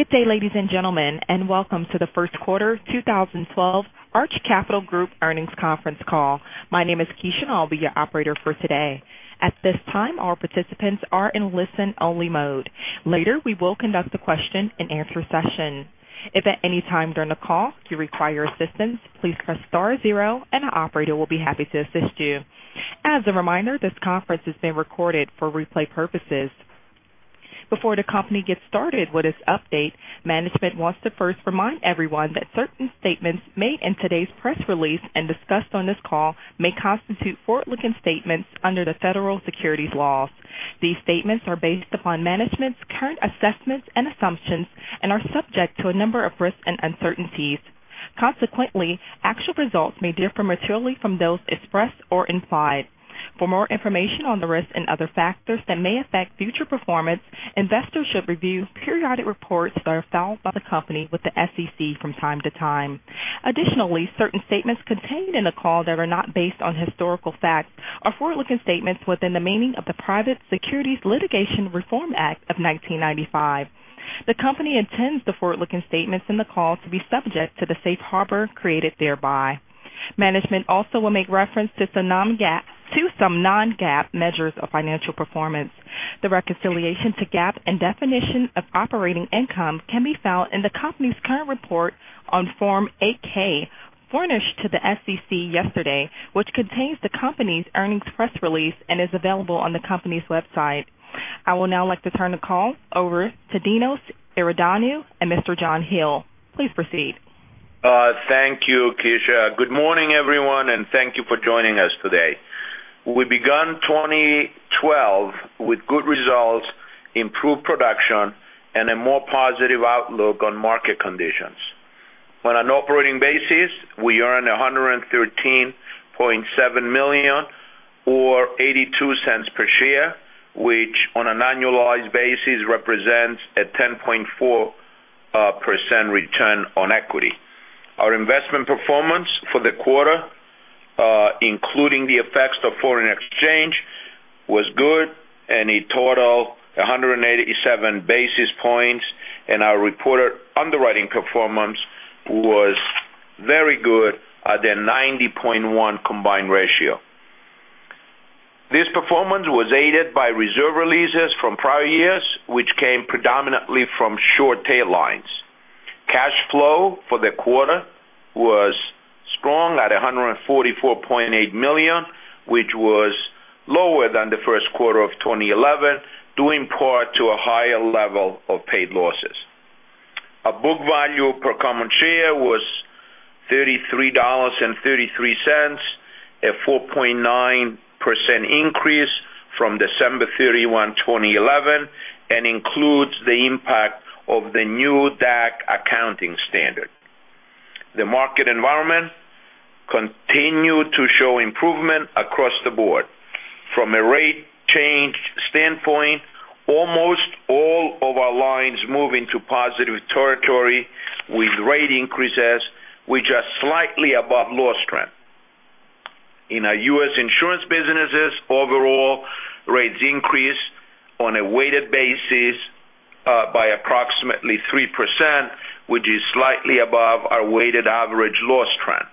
Good day, ladies and gentlemen, and welcome to the first quarter 2012 Arch Capital Group earnings conference call. My name is Keisha, and I will be your operator for today. At this time, all participants are in listen-only mode. Later, we will conduct a question-and-answer session. If at any time during the call you require assistance, please press star zero and an operator will be happy to assist you. As a reminder, this conference is being recorded for replay purposes. Before the company gets started with its update, management wants to first remind everyone that certain statements made in today's press release and discussed on this call may constitute forward-looking statements under the federal securities laws. These statements are based upon management's current assessments and assumptions and are subject to a number of risks and uncertainties. Consequently, actual results may differ materially from those expressed or implied. For more information on the risks and other factors that may affect future performance, investors should review periodic reports that are filed by the company with the SEC from time to time. Additionally, certain statements contained in the call that are not based on historical facts are forward-looking statements within the meaning of the Private Securities Litigation Reform Act of 1995. The company intends the forward-looking statements in the call to be subject to the safe harbor created thereby. Management also will make reference to some non-GAAP measures of financial performance. The reconciliation to GAAP and definition of operating income can be found in the company's current report on Form 8-K furnished to the SEC yesterday, which contains the company's earnings press release and is available on the company's website. I would now like to turn the call over to Dinos Iordanou and Mr. John Hele. Please proceed. Thank you, Keisha. Good morning, everyone, and thank you for joining us today. We begun 2012 with good results, improved production, and a more positive outlook on market conditions. On an operating basis, we earned $113.7 million or $0.82 per share, which on an annualized basis represents a 10.4% return on equity. Our investment performance for the quarter, including the effects of foreign exchange, was good, and it totaled 187 basis points, and our reported underwriting performance was very good at a 90.1 combined ratio. This performance was aided by reserve releases from prior years, which came predominantly from short tail lines. Cash flow for the quarter was strong at $144.8 million, which was lower than the first quarter of 2011, due in part to a higher level of paid losses. Our book value per common share was $33.33, a 4.9% increase from December 31, 2011, and includes the impact of the new DAC accounting standard. The market environment continued to show improvement across the board. From a rate change standpoint, almost all of our lines move into positive territory with rate increases, which are slightly above loss trend. In our U.S. insurance businesses, overall rates increased on a weighted basis by approximately 3%, which is slightly above our weighted average loss trend.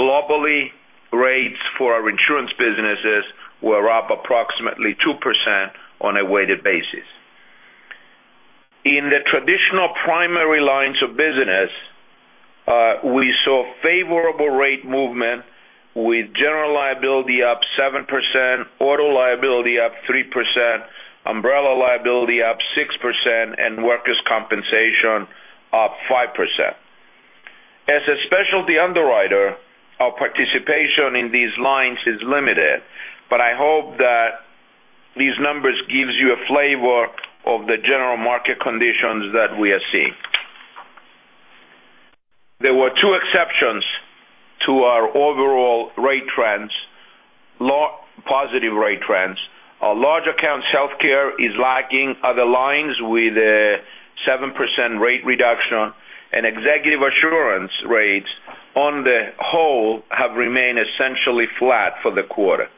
Globally, rates for our insurance businesses were up approximately 2% on a weighted basis. In the traditional primary lines of business, we saw favorable rate movement with general liability up 7%, auto liability up 3%, umbrella liability up 6%, and workers' compensation up 5%. As a specialty underwriter, our participation in these lines is limited, but I hope that these numbers gives you a flavor of the general market conditions that we are seeing. There were two exceptions to our overall positive rate trends. Our large accounts healthcare is lagging other lines with a 7% rate reduction, and executive assurance rates on the whole have remained essentially flat for the quarter.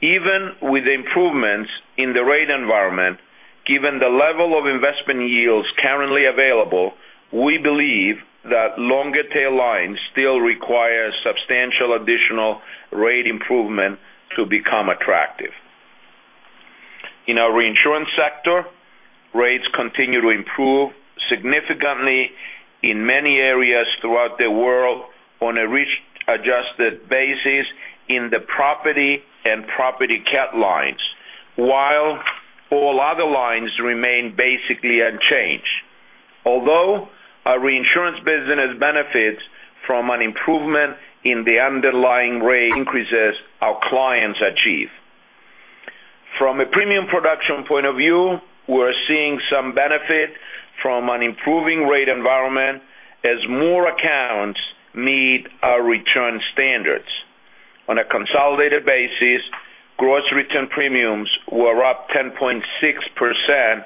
Even with improvements in the rate environment, given the level of investment yields currently available, we believe that longer tail lines still require substantial additional rate improvement to become attractive. In our reinsurance sector, rates continue to improve significantly in many areas throughout the world on a risk-adjusted basis in the property and property CAT lines, while all other lines remain basically unchanged. Although our reinsurance business benefits from an improvement in the underlying rate increases our clients achieve. From a premium production point of view, we're seeing some benefit from an improving rate environment as more accounts meet our return standards. On a consolidated basis, gross written premiums were up 10.6%,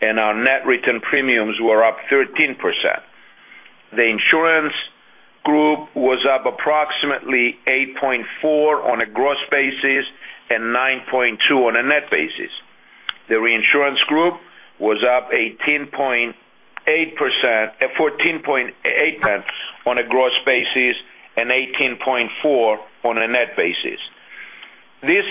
and our net written premiums were up 13%. The insurance was up approximately 8.4% on a gross basis and 9.2% on a net basis. The reinsurance group was up 14.8% on a gross basis and 18.4% on a net basis. This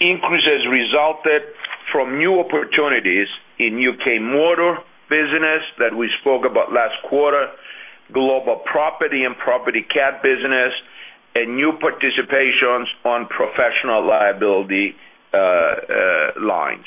increase has resulted from new opportunities in U.K. motor business that we spoke about last quarter, global property and property CAT business, and new participations on professional liability lines.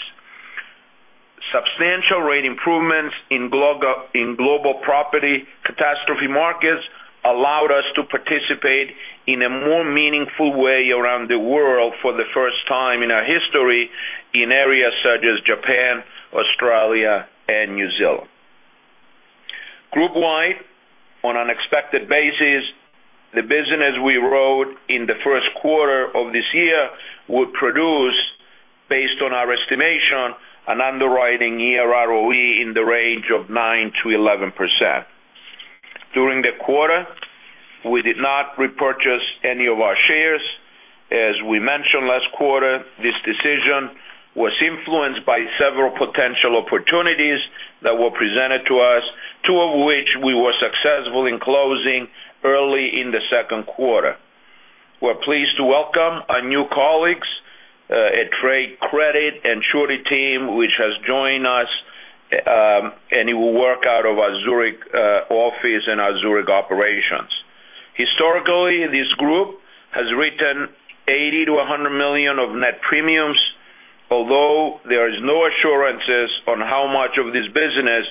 Substantial rate improvements in global property catastrophe markets allowed us to participate in a more meaningful way around the world for the first time in our history in areas such as Japan, Australia, and New Zealand. Group wide, on an expected basis, the business we wrote in the first quarter of this year will produce, based on our estimation, an underwriting year ROE in the range of 9%-11%. During the quarter, we did not repurchase any of our shares. As we mentioned last quarter, this decision was influenced by several potential opportunities that were presented to us, two of which we were successful in closing early in the second quarter. We are pleased to welcome our new colleagues at Trade Credit and Surety Team, which has joined us, and it will work out of our Zurich office and our Zurich operations. Historically, this group has written $80 million to $100 million of net premiums, although there is no assurances on how much of this business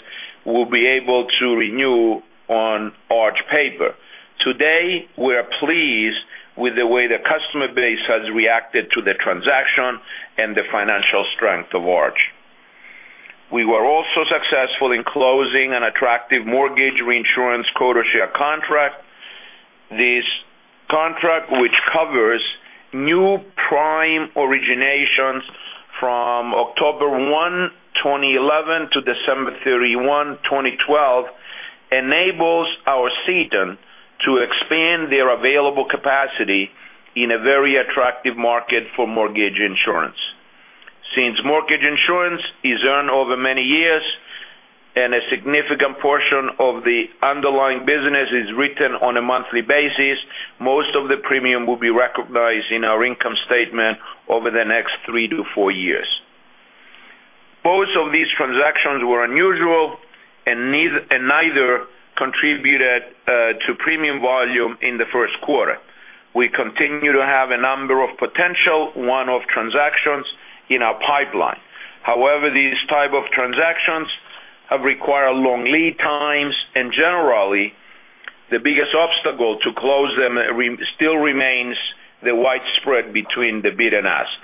we'll be able to renew on Arch paper. Today, we are pleased with the way the customer base has reacted to the transaction and the financial strength of Arch. We were also successful in closing an attractive mortgage reinsurance quota share contract. This contract, which covers new prime originations from October 1, 2011 to December 31, 2012, enables our ceding to expand their available capacity in a very attractive market for mortgage insurance. Since mortgage insurance is earned over many years and a significant portion of the underlying business is written on a monthly basis, most of the premium will be recognized in our income statement over the next three to four years. Both of these transactions were unusual and neither contributed to premium volume in the first quarter. We continue to have a number of potential one-off transactions in our pipeline. These type of transactions have required long lead times, generally, the biggest obstacle to close them still remains the widespread between the bid and ask.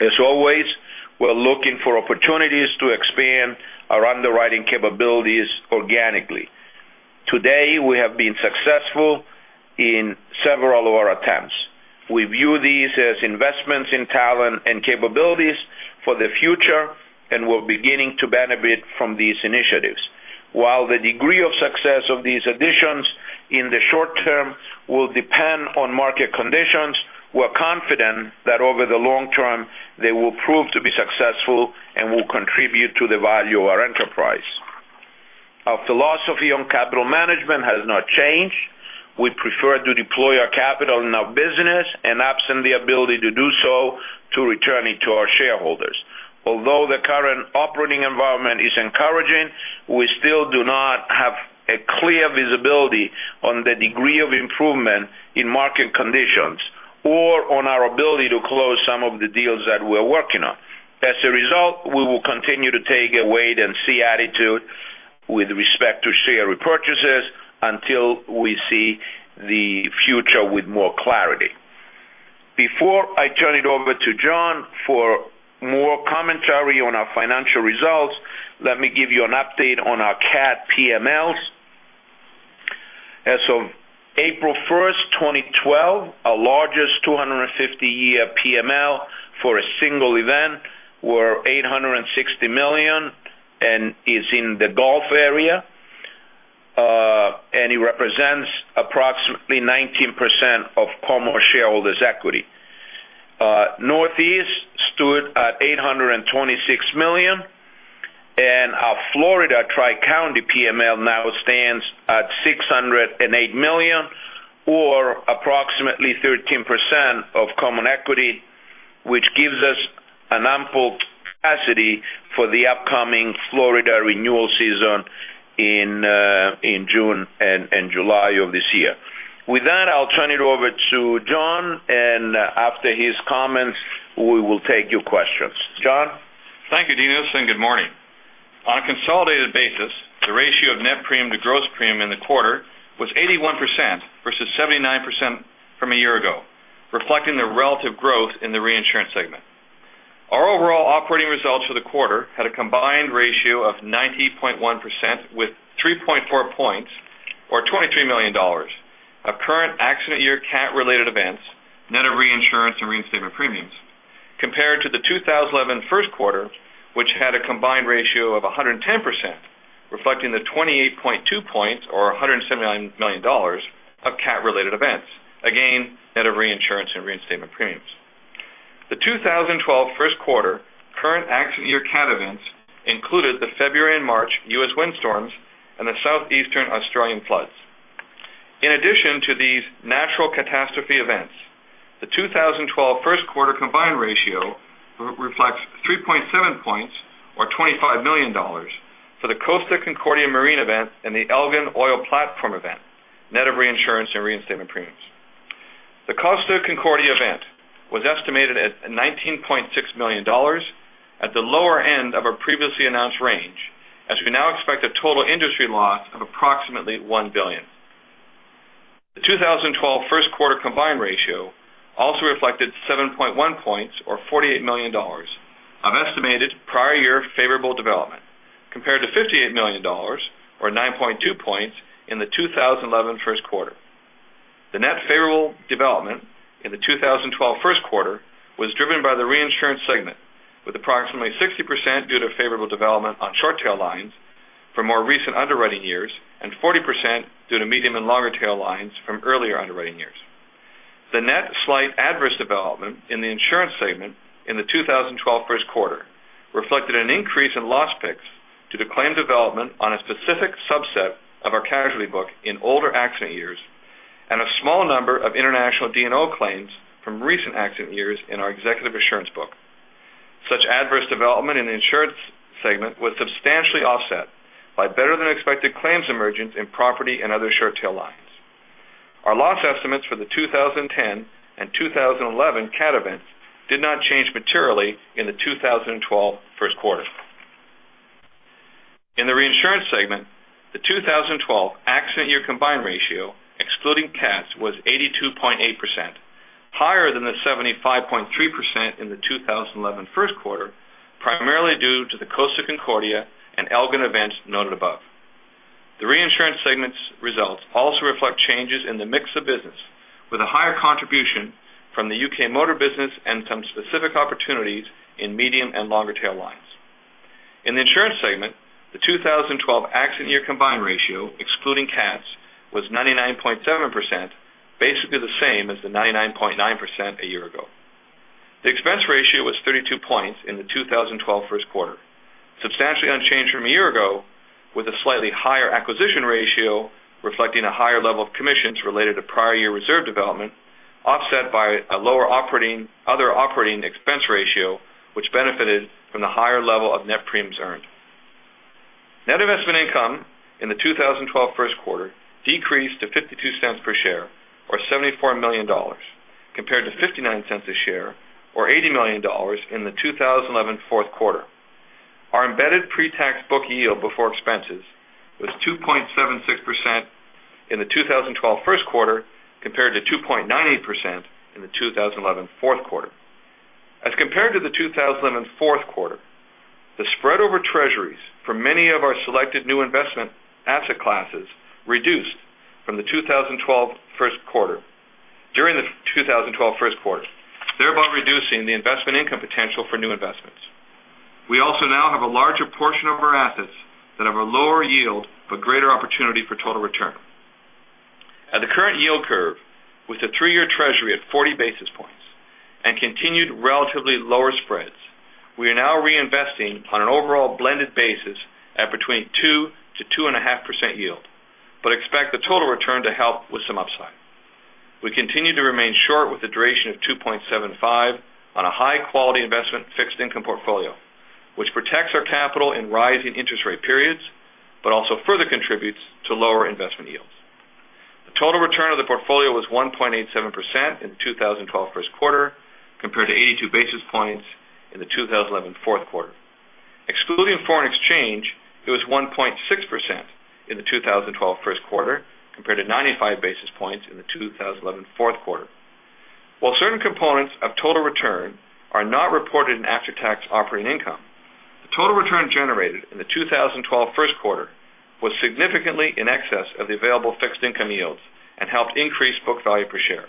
As always, we are looking for opportunities to expand our underwriting capabilities organically. Today, we have been successful in several of our attempts. We view these as investments in talent and capabilities for the future, we are beginning to benefit from these initiatives. While the degree of success of these additions in the short term will depend on market conditions, we are confident that over the long term, they will prove to be successful and will contribute to the value of our enterprise. Our philosophy on capital management has not changed. We prefer to deploy our capital in our business absent the ability to do so, to return it to our shareholders. Although the current operating environment is encouraging, we still do not have a clear visibility on the degree of improvement in market conditions or on our ability to close some of the deals that we are working on. As a result, we will continue to take a wait and see attitude with respect to share repurchases until we see the future with more clarity. Before I turn it over to John for more commentary on our financial results, let me give you an update on our CAT PMLs. As of April 1st, 2012, our largest 250-year PML for a single event were $860 million is in the Gulf area, and it represents approximately 19% of common shareholders' equity. Northeast stood at $826 million, our Florida Tri-County PML now stands at $608 million or approximately 13% of common equity, which gives us an ample capacity for the upcoming Florida renewal season in June and July of this year. With that, I'll turn it over to John, after his comments, we will take your questions. John? Thank you, Dinos, good morning. On a consolidated basis, the ratio of net premium to gross premium in the quarter was 81% versus 79% from a year ago, reflecting the relative growth in the reinsurance segment. Our overall operating results for the quarter had a combined ratio of 90.1% with 3.4 points or $23 million of current accident year CAT-related events, net of reinsurance and reinstatement premiums. Compared to the 2011 first quarter, which had a combined ratio of 110%, reflecting the 28.2 points or $179 million of CAT-related events, again, net of reinsurance and reinstatement premiums. The 2012 first quarter current accident year CAT events included the February and March U.S. windstorms and the Southeastern Australian floods. In addition to these natural catastrophe events, the 2012 first quarter combined ratio reflects 3.7 points or $25 million for the Costa Concordia marine event and the Elgin oil platform event, net of reinsurance and reinstatement premiums. The Costa Concordia event was estimated at $19.6 million at the lower end of our previously announced range, as we now expect a total industry loss of approximately $1 billion. The 2012 first quarter combined ratio also reflected 7.1 points or $48 million of estimated prior year favorable development, compared to $58 million or 9.2 points in the 2011 first quarter. The net favorable development in the 2012 first quarter was driven by the reinsurance segment, with approximately 60% due to favorable development on short tail lines for more recent underwriting years and 40% due to medium and longer tail lines from earlier underwriting years. The net slight adverse development in the insurance segment in the 2012 first quarter reflected an increase in loss picks due to claim development on a specific subset of our casualty book in older accident years and a small number of international D&O claims from recent accident years in our executive assurance book. Such adverse development in the insurance segment was substantially offset by better than expected claims emergence in property and other short tail lines. Our loss estimates for the 2010 and 2011 CAT events did not change materially in the 2012 first quarter. In the reinsurance segment, the 2012 accident year combined ratio, excluding CATs, was 82.8%, higher than the 75.3% in the 2011 first quarter, primarily due to the Costa Concordia and Elgin events noted above. The reinsurance segment's results also reflect changes in the mix of business, with a higher contribution from the U.K. motor business and some specific opportunities in medium and longer tail lines. In the insurance segment, the 2012 accident year combined ratio, excluding CATs, was 99.7%, basically the same as the 99.9% a year ago. The expense ratio was 32 points in the 2012 first quarter, substantially unchanged from a year ago, with a slightly higher acquisition ratio reflecting a higher level of commissions related to prior year reserve development, offset by a lower other operating expense ratio which benefited from the higher level of net premiums earned. Net investment income in the 2012 first quarter decreased to $0.52 per share, or $74 million, compared to $0.59 a share or $80 million in the 2011 fourth quarter. Our embedded pre-tax book yield before expenses was 2.76% in the 2012 first quarter, compared to 2.98% in the 2011 fourth quarter. As compared to the 2011 fourth quarter, the spread over Treasuries for many of our selected new investment asset classes reduced from the 2012 first quarter, during the 2012 first quarter, thereby reducing the investment income potential for new investments. We also now have a larger portion of our assets that have a lower yield but greater opportunity for total return. At the current yield curve, with the three-year Treasury at 40 basis points and continued relatively lower spreads, we are now reinvesting on an overall blended basis at between 2%-2.5% yield, but expect the total return to help with some upside. We continue to remain short with the duration of 2.75 on a high-quality investment fixed income portfolio, which protects our capital in rising interest rate periods, but also further contributes to lower investment yields. The total return of the portfolio was 1.87% in the 2012 first quarter, compared to 82 basis points in the 2011 fourth quarter. Excluding foreign exchange, it was 1.6% in the 2012 first quarter, compared to 95 basis points in the 2011 fourth quarter. While certain components of total return are not reported in after-tax operating income, the total return generated in the 2012 first quarter was significantly in excess of the available fixed income yields and helped increase book value per share.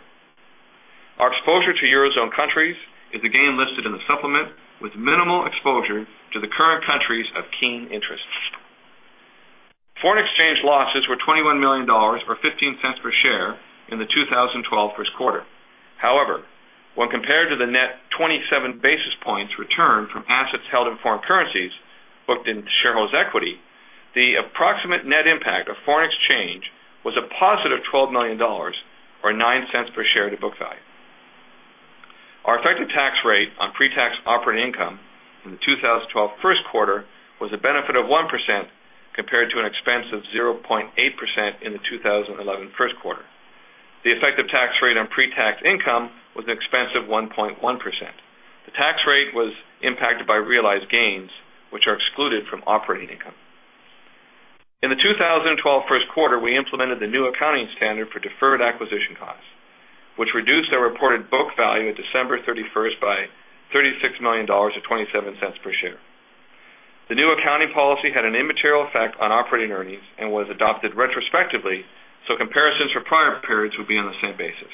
Our exposure to Eurozone countries is again listed in the supplement with minimal exposure to the current countries of keen interest. Foreign exchange losses were $21 million, or $0.15 per share, in the 2012 first quarter. However, when compared to the net 27 basis points return from assets held in foreign currencies booked in shareholders' equity, the approximate net impact of foreign exchange was a positive $12 million, or $0.09 per share to book value. Our effective tax rate on pre-tax operating income in the 2012 first quarter was a benefit of 1% compared to an expense of 0.8% in the 2011 first quarter. The effective tax rate on pre-tax income was an expense of 1.1%. The tax rate was impacted by realized gains, which are excluded from operating income. In the 2012 first quarter, we implemented the new accounting standard for deferred acquisition costs, which reduced our reported book value at December 31st by $36 million, or $0.27 per share. The new accounting policy had an immaterial effect on operating earnings and was adopted retrospectively, so comparisons for prior periods would be on the same basis.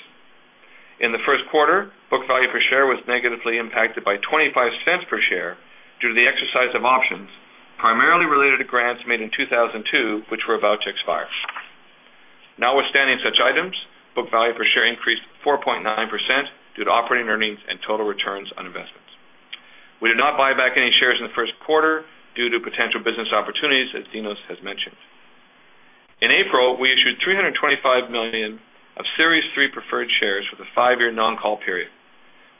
In the first quarter, book value per share was negatively impacted by $0.25 per share due to the exercise of options, primarily related to grants made in 2002, which were about to expire. Notwithstanding such items, book value per share increased 4.9% due to operating earnings and total returns on investments. We did not buy back any shares in the first quarter due to potential business opportunities, as Dinos has mentioned. In April, we issued $325 million of Series C preferred shares with a five-year non-call period.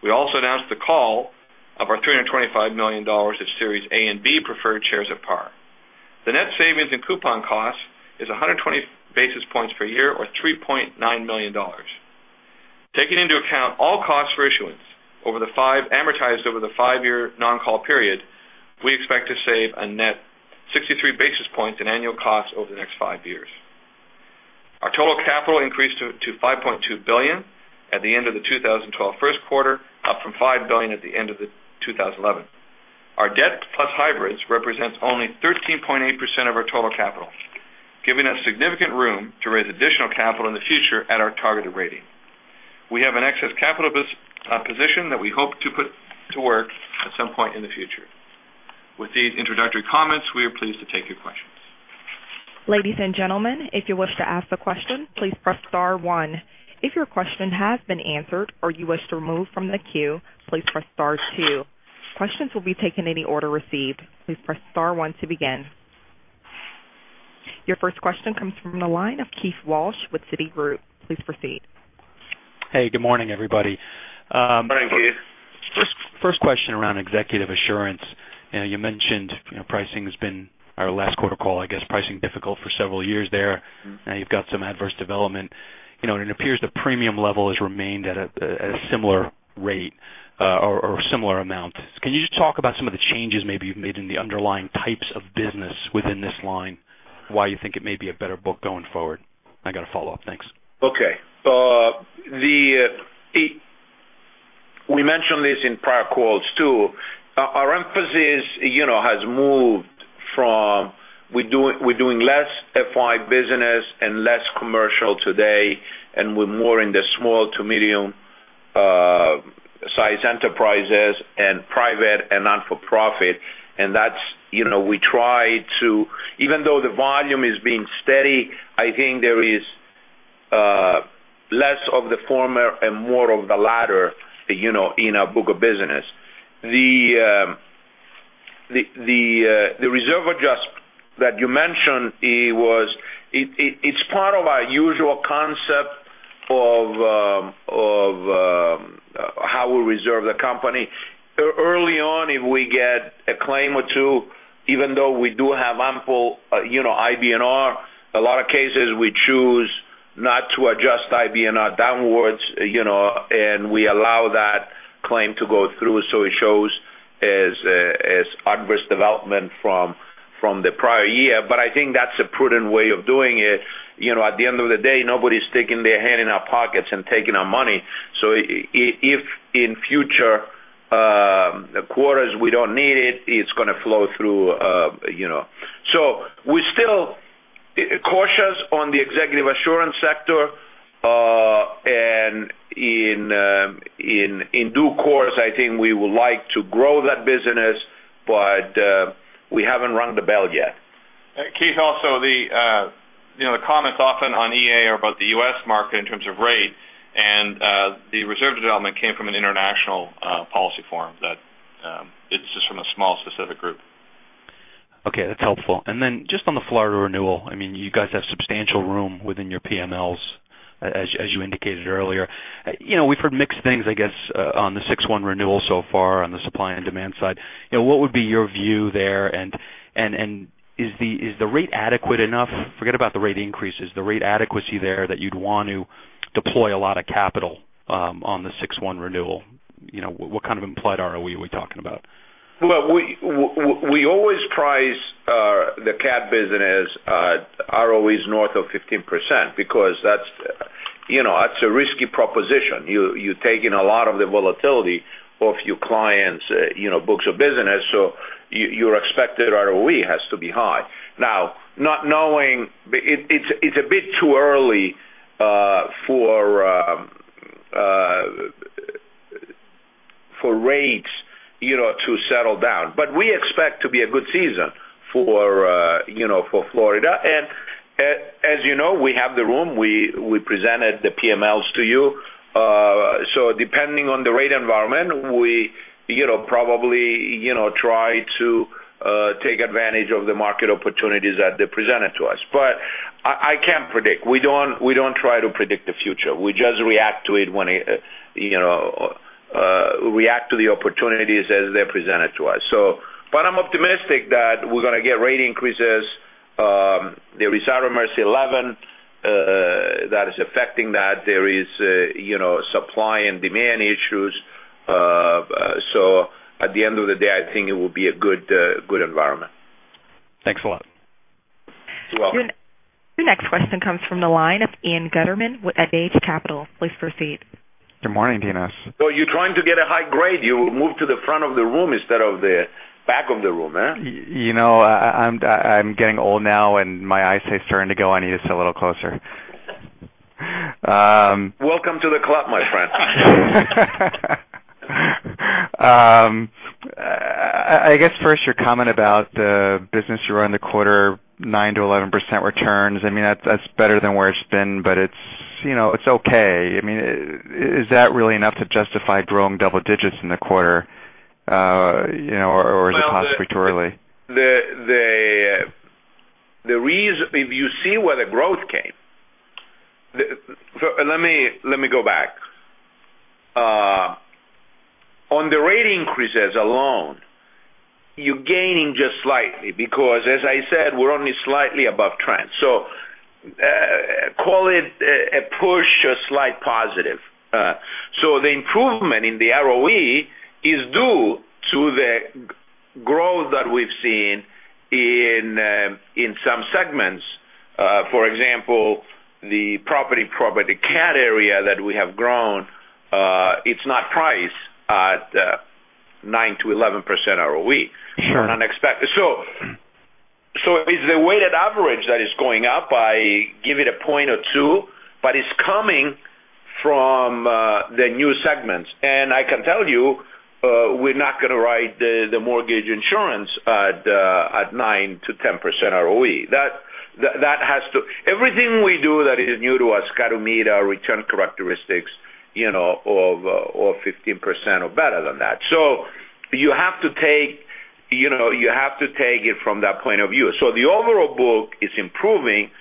We also announced the call of our $325 million of Series A and B preferred shares at par. The net savings in coupon costs is 120 basis points per year, or $3.9 million. Taking into account all costs for issuance amortized over the five-year non-call period, we expect to save a net 63 basis points in annual costs over the next five years. Our total capital increased to $5.2 billion at the end of the 2012 first quarter, up from $5 billion at the end of 2011. Our debt plus hybrids represents only 13.8% of our total capital, giving us significant room to raise additional capital in the future at our targeted rating. We have an excess capital position that we hope to put to work at some point in the future. With these introductory comments, we are pleased to take your questions. Ladies and gentlemen, if you wish to ask a question, please press star one. If your question has been answered or you wish to remove from the queue, please press star two. Questions will be taken in the order received. Please press star one to begin. Your first question comes from the line of Keith Walsh with Citigroup. Please proceed. Hey, good morning, everybody. Morning, Keith. First question around executive assurance. You mentioned our last quarter call, I guess pricing difficult for several years there. Now you've got some adverse development. It appears the premium level has remained at a similar rate or similar amount. Can you just talk about some of the changes maybe you've made in the underlying types of business within this line, why you think it may be a better book going forward? I got a follow-up. Thanks. Okay. We mentioned this in prior calls, too. Our emphasis has moved from we're doing less FY business and less commercial today, and we're more in the small to medium-sized enterprises and private and not-for-profit. Even though the volume is being steady, I think there is less of the former and more of the latter in our book of business. The reserve adjust that you mentioned, it's part of our usual concept of how we reserve the company. Early on, if we get a claim or two, even though we do have ample IBNR, a lot of cases we choose not to adjust IBNR downwards, and we allow that claim to go through, so it shows as adverse development from the prior year. I think that's a prudent way of doing it. At the end of the day, nobody's sticking their hand in our pockets and taking our money. If in future quarters we don't need it's going to flow through. We're still cautious on the executive assurance sector, and in due course, I think we would like to grow that business, but we haven't rung the bell yet. Keith, also the comments often on EA are about the U.S. market in terms of rate, and the reserve development came from an international policy form that it's just from a small specific group. Okay, that's helpful. Just on the Florida renewal, you guys have substantial room within your PMLs as you indicated earlier. We've heard mixed things, I guess, on the six one renewal so far on the supply and demand side. What would be your view there, and is the rate adequate enough? Forget about the rate increases. The rate adequacy there that you'd want to deploy a lot of capital on the six one renewal. What kind of implied ROE are we talking about? We always price the CAT business ROEs north of 15% because that's a risky proposition. You take in a lot of the volatility of your client's books of business, your expected ROE has to be high. Not knowing, it's a bit too early for rates to settle down, we expect to be a good season for Florida. As you know, we have the room. We presented the PMLs to you. Depending on the rate environment, we probably try to take advantage of the market opportunities that they presented to us. I can't predict. We don't try to predict the future. We just react to the opportunities as they're presented to us. I'm optimistic that we're going to get rate increases. There is RMS 11 that is affecting that. There is supply and demand issues. At the end of the day, I think it will be a good environment. Thanks a lot. Your next question comes from the line of Ian Gutterman at Adage Capital. Please proceed. Good morning, Dinos. You're trying to get a high grade, you move to the front of the room instead of the back of the room, huh? I'm getting old now, and my eyesight's starting to go. I need to sit a little closer. Welcome to the club, my friend. I guess first your comment about the business you run the quarter 9% to 11% returns. That's better than where it's been, but it's okay. Is that really enough to justify growing double digits in the quarter, or is it transitory? If you see where the growth came. Let me go back. On the rate increases alone, you're gaining just slightly because, as I said, we're only slightly above trend. Call it a push, a slight positive. The improvement in the ROE is due to the growth that we've seen in some segments. For example, the property-property CAT area that we have grown, it's not priced at 9% to 11% ROE. Sure. Unexpected. It's the weighted average that is going up by give it a point or two, but it's coming from the new segments. I can tell you, we're not going to write the mortgage insurance at 9% to 10% ROE. Everything we do that is new to us has got to meet our return characteristics of 15% or better than that. You have to take it from that point of view. The overall book is improving,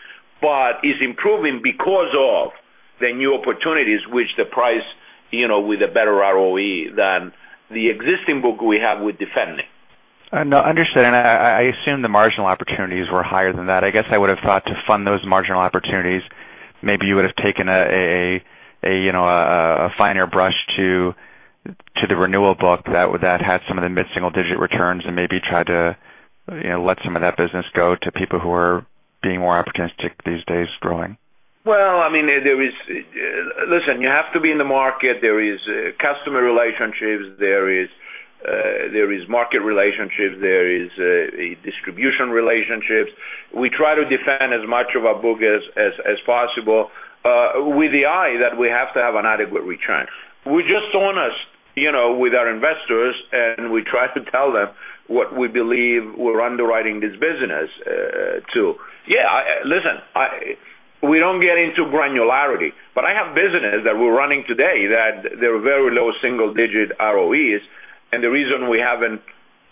but it's improving because of the new opportunities which the price with a better ROE than the existing book we have with defending. No, understood. I assume the marginal opportunities were higher than that. I guess I would have thought to fund those marginal opportunities, maybe you would have taken a finer brush to the renewal book that had some of the mid-single-digit returns and maybe tried to let some of that business go to people who are being more opportunistic these days growing. Listen, you have to be in the market. There is customer relationships. There is market relationships. There is distribution relationships. We try to defend as much of our book as possible with the eye that we have to have an adequate return. We're just honest with our investors, and we try to tell them what we believe we're underwriting this business to. Listen, we don't get into granularity, but I have businesses that we're running today that they're very low single-digit ROEs, and the reason we haven't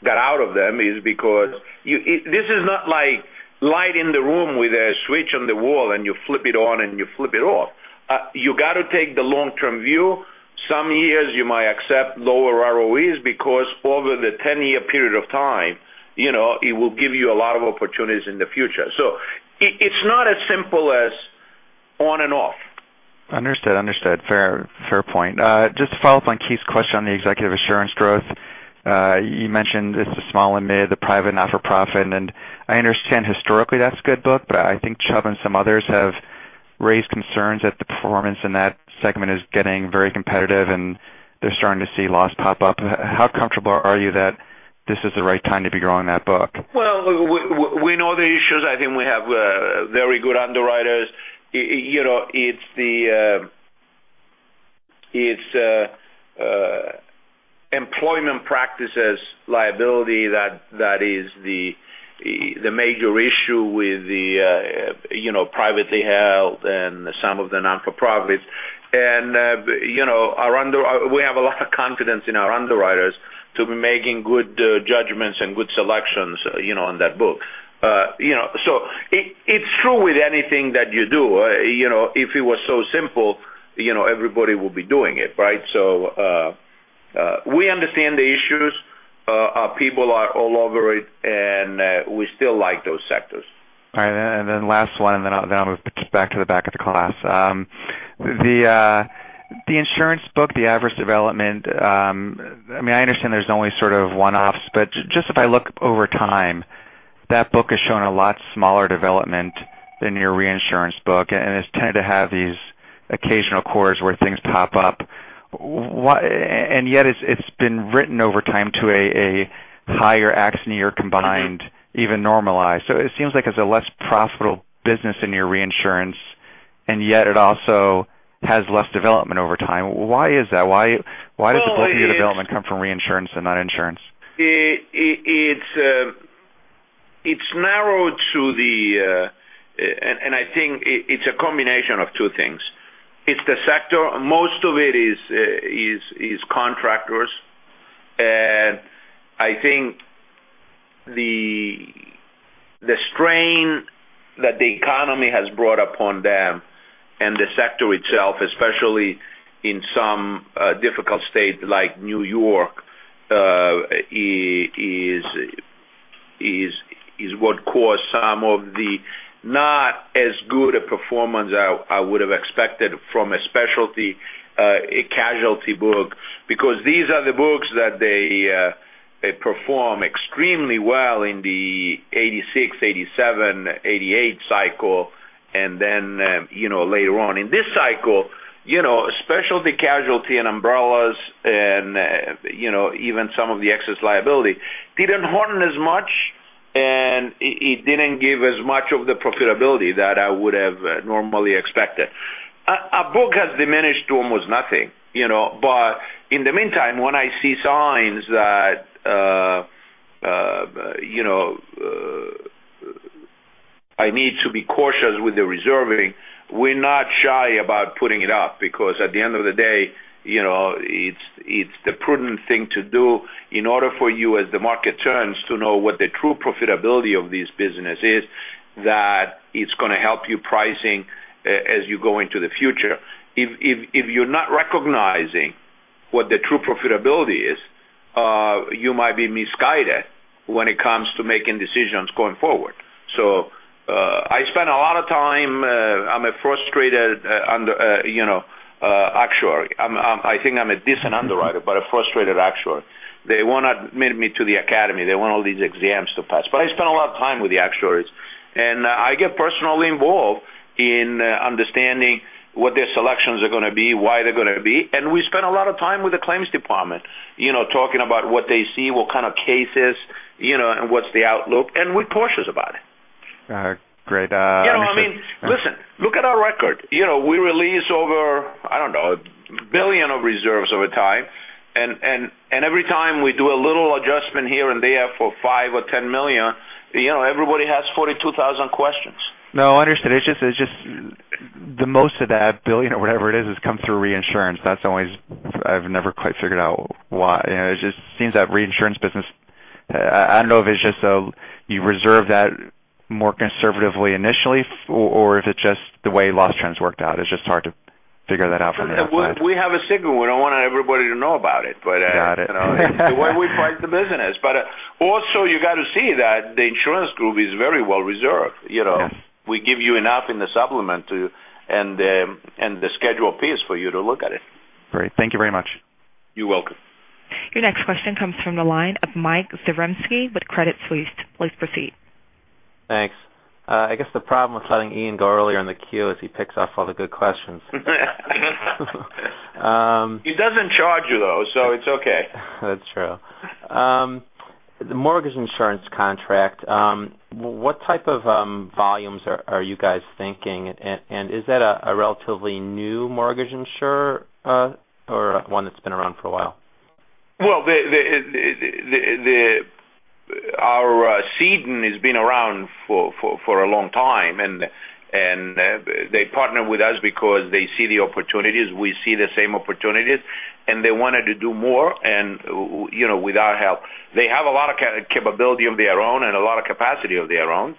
got out of them is because this is not like lighting the room with a switch on the wall, and you flip it on, and you flip it off. You got to take the long-term view. Some years you might accept lower ROEs because over the 10-year period of time, it will give you a lot of opportunities in the future. It's not as simple as on and off. Understood. Fair point. Just to follow up on Keith's question on the executive assurance growth. You mentioned it's the small and mid, the private, not-for-profit, and I understand historically that's a good book, but I think Chubb and some others have raised concerns that the performance in that segment is getting very competitive, and they're starting to see loss pop up. How comfortable are you that this is the right time to be growing that book? We know the issues. I think we have very good underwriters. It's employment practices liability that is the major issue with the privately held and some of the not-for-profits. We have a lot of confidence in our underwriters to be making good judgments and good selections on that book. It's true with anything that you do. If it were so simple, everybody would be doing it, right? We understand the issues. Our people are all over it, and we still like those sectors. All right. Last one, then I'll move back to the back of the class. The insurance book, the adverse development. I understand there's only sort of one-offs, but just if I look over time, that book has shown a lot smaller development than your reinsurance book, and it's tended to have these occasional cores where things pop up. Yet it's been written over time to a higher accident year combined, even normalized. It seems like it's a less profitable business in your reinsurance, yet it also has less development over time. Why is that? Why does the bulk of your development come from reinsurance and not insurance? It's narrowed to the. I think it's a combination of two things. It's the sector. Most of it is contractors. I think the strain that the economy has brought upon them and the sector itself, especially in some difficult state like New York, is what caused some of the not as good a performance I would have expected from a specialty casualty book, because these are the books that they perform extremely well in the '86, '87, '88 cycle. Later on in this cycle, specialty casualty and umbrellas and even some of the excess liability didn't harden as much, it didn't give as much of the profitability that I would have normally expected. Our book has diminished to almost nothing. In the meantime, when I see signs that I need to be cautious with the reserving, we're not shy about putting it up, because at the end of the day, it's the prudent thing to do in order for you, as the market turns, to know what the true profitability of this business is, that it's going to help you pricing as you go into the future. If you're not recognizing what the true profitability is, you might be misguided when it comes to making decisions going forward. I spend a lot of time. I'm a frustrated actuary. I think I'm a decent underwriter, but a frustrated actuary. They would not admit me to the academy. They want all these exams to pass. I spend a lot of time with the actuaries, I get personally involved in understanding what their selections are going to be, why they're going to be. We spend a lot of time with the claims department, talking about what they see, what kind of cases, what's the outlook. We're cautious about it. Great. Listen, look at our record. We released over, I don't know, $1 billion of reserves over time. Every time we do a little adjustment here and there for 5 or $10 million, everybody has 42,000 questions. No, understood. It's just the most of that $1 billion or whatever it is has come through reinsurance. I've never quite figured out why. It just seems that reinsurance business, I don't know if it's just you reserve that more conservatively initially or if it's just the way loss trends worked out. It's just hard to figure that out from the outside. We have a signal. We don't want everybody to know about it. Got it. The way we price the business. Also you got to see that the insurance group is very well reserved. Yeah. We give you enough in the supplement and the Schedule P for you to look at it. Great. Thank you very much. You're welcome. Your next question comes from the line of Michael Zaremski with Credit Suisse. Please proceed. Thanks. I guess the problem with letting Ian go earlier in the queue is he picks off all the good questions. He doesn't charge you, though, so it's okay. That's true. The mortgage insurance contract, what type of volumes are you guys thinking? Is that a relatively new mortgage insurer or one that's been around for a while? Well, our cede has been around for a long time, and they partner with us because they see the opportunities. We see the same opportunities, and they wanted to do more with our help. They have a lot of capability of their own and a lot of capacity of their own.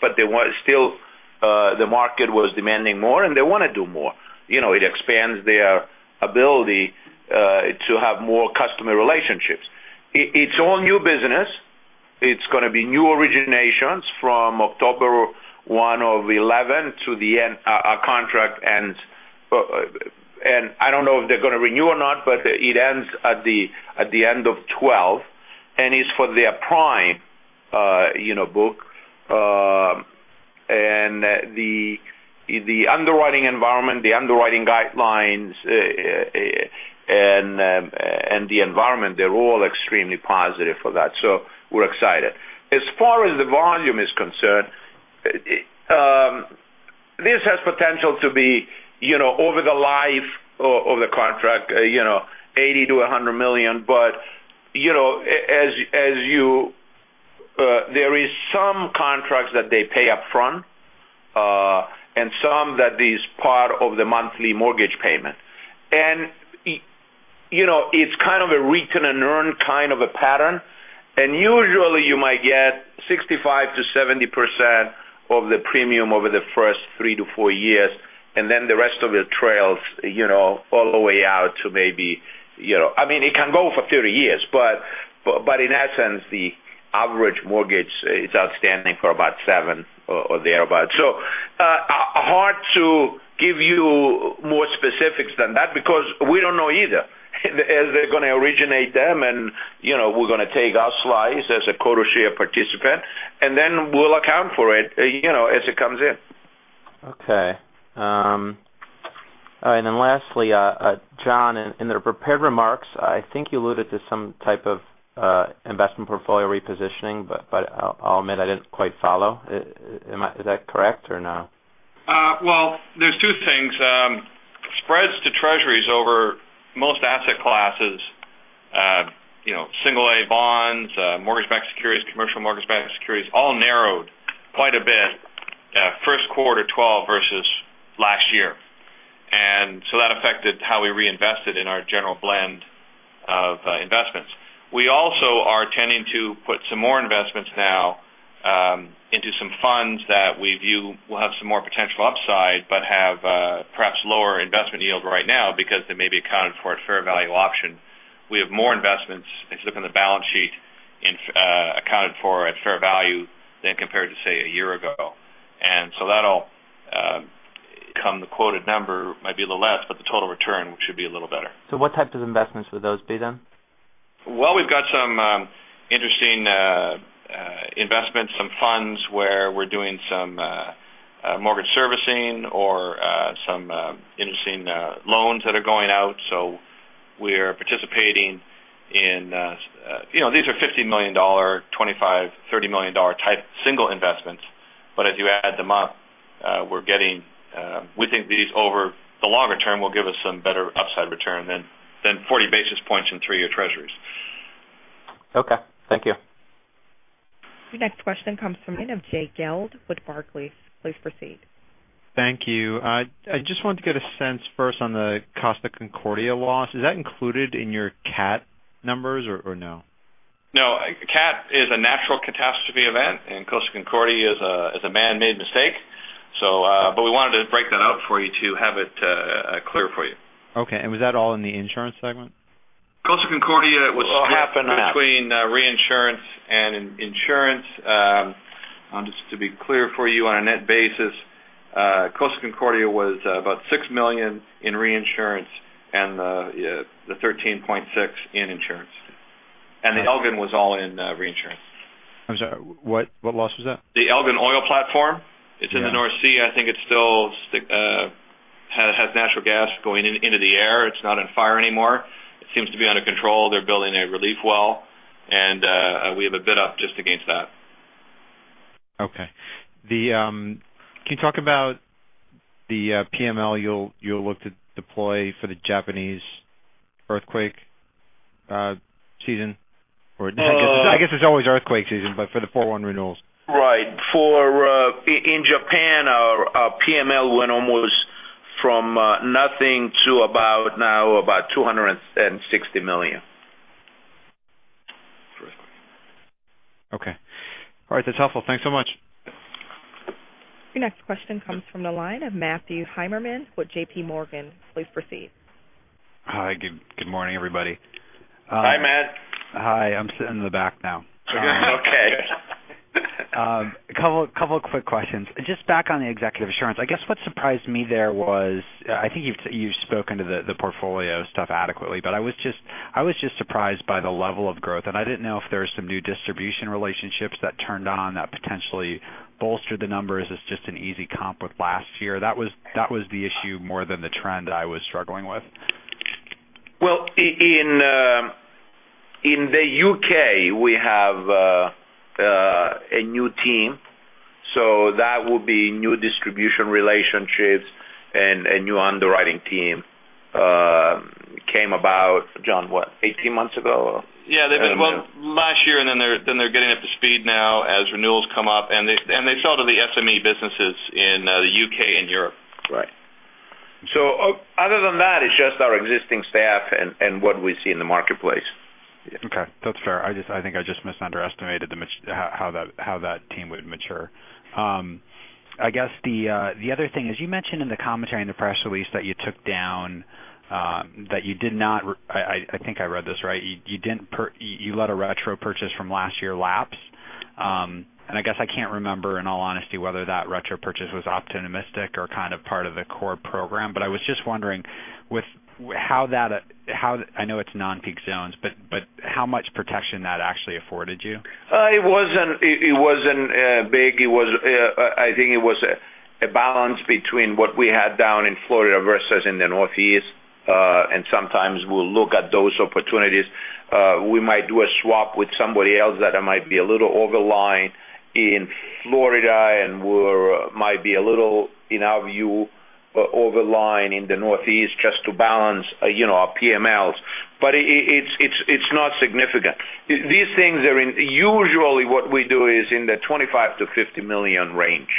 Still the market was demanding more, and they want to do more. It expands their ability to have more customer relationships. It's all new business. It's going to be new originations from October 1, 2011 to the end. Our contract ends, and I don't know if they're going to renew or not, but it ends at the end of 2012, and it's for their prime book. The underwriting environment, the underwriting guidelines, and the environment, they're all extremely positive for that. We're excited. As far as the volume is concerned, this has potential to be over the life of the contract, $80 million-$100 million. There is some contracts that they pay upfront, and some that is part of the monthly mortgage payment. It's kind of a retain and earn kind of a pattern. Usually you might get 65%-70% of the premium over the first three to four years, and then the rest of it trails all the way out to. It can go for 30 years, but in essence, the average mortgage is outstanding for about seven or thereabout. Hard to give you more specifics than that because we don't know either. As they're going to originate them, and we're going to take our slice as a quota share participant, and then we'll account for it as it comes in. Okay. All right, and then lastly, John, in the prepared remarks, I think you alluded to some type of investment portfolio repositioning, but I'll admit I didn't quite follow. Is that correct or no? Well, there's two things. Spreads to treasuries over most asset classes, single A bonds, mortgage backed securities, commercial mortgage backed securities, all narrowed quite a bit first quarter 2012 versus last year. That affected how we reinvested in our general blend of investments. We also are tending to put some more investments now into some funds that we view will have some more potential upside, but have perhaps lower investment yield right now because they may be accounted for at fair value option We have more investments as you look on the balance sheet accounted for at fair value than compared to, say, a year ago. That'll come the quoted number might be a little less, but the total return should be a little better. What types of investments would those be then? Well, we've got some interesting investments, some funds where we're doing some mortgage servicing or some interesting loans that are going out. We're participating in. These are $50 million, $25 million, $30 million type single investments. As you add them up, we think these over the longer term will give us some better upside return than 40 basis points in three-year treasuries. Okay. Thank you. Your next question comes from the line of Jay Gelb with Barclays. Please proceed. Thank you. I just wanted to get a sense first on the Costa Concordia loss. Is that included in your CAT numbers or no? No. CAT is a natural catastrophe event and Costa Concordia is a man-made mistake. We wanted to break that out for you to have it clear for you. Okay. Was that all in the insurance segment? Costa Concordia was- It will happen- Between reinsurance and insurance. Just to be clear for you, on a net basis, Costa Concordia was about $6 million in reinsurance and the $13.6 in insurance. The Elgin was all in reinsurance. I'm sorry, what loss was that? The Elgin Oil platform. It's in the North Sea. I think it still has natural gas going into the air. It's not on fire anymore. It seems to be under control. They're building a relief well, we have a bid up just against that. Okay. Can you talk about the PML you'll look to deploy for the Japanese earthquake season? I guess it's always earthquake season, for the 401 renewals. Right. In Japan, our PML went almost from nothing to now about $260 million. Okay. All right. That's helpful. Thanks so much. Your next question comes from the line of Matthew Heimermann with J.P. Morgan. Please proceed. Hi, good morning, everybody. Hi, Matt. Hi. I'm sitting in the back now. Okay. A couple of quick questions. Just back on the executive assurance, I guess what surprised me there was, I think you've spoken to the portfolio stuff adequately, but I was just surprised by the level of growth, and I didn't know if there were some new distribution relationships that turned on that potentially bolstered the numbers. It's just an easy comp with last year. That was the issue more than the trend I was struggling with. Well, in the U.K., we have a new team, that would be new distribution relationships and a new underwriting team came about, John, what, 18 months ago? Yeah, they've been, well, last year, they're getting up to speed now as renewals come up, they sell to the SME businesses in the U.K. and Europe. Right. Other than that, it's just our existing staff and what we see in the marketplace. Okay, that's fair. I think I just misunderestimated how that team would mature. I guess the other thing is, you mentioned in the commentary in the press release that you took down, that you did not, I think I read this right. You let a retro purchase from last year lapse. I guess I can't remember in all honesty whether that retro purchase was optimistic or kind of part of the core program. I was just wondering how that, I know it's non-peak zones, but how much protection that actually afforded you? It wasn't big. I think it was a balance between what we had down in Florida versus in the Northeast. Sometimes we'll look at those opportunities. We might do a swap with somebody else that might be a little over line in Florida and might be a little, in our view, over line in the Northeast just to balance our PMLs. It's not significant. These things are in, usually what we do is in the $25 million-$50 million range.